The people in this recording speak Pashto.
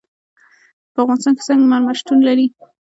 په افغانستان کې سنگ مرمر شتون لري.